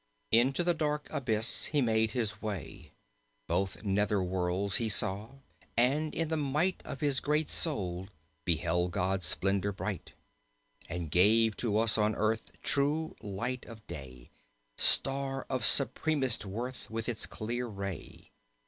Into the dark abyss he made his way; Both nether worlds he saw, and in the might Of his great soul beheld God's splendour bright. And gave to us on earth true light of day: Star of supremest worth with its clear ray.